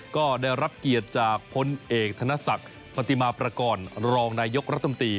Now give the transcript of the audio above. ก็ได้รับเกียรติจากพลเอกธนศักดิ์ปฏิมาประกอบรองนายกรัฐมนตรี